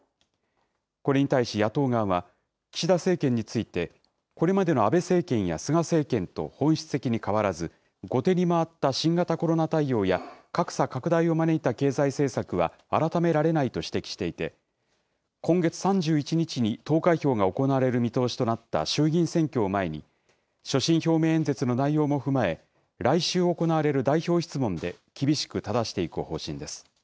これに対し野党側は、岸田政権について、これまでの安倍政権や菅政権と本質的に変わらず、後手に回った新型コロナ対応や、格差拡大を招いた経済政策は改められないと指摘していて、今月３１日に投開票が行われる見通しとなった衆議院選挙を前に、所信表明演説の内容も踏まえ、来週行われる代表質問で厳しくただしていく方針です。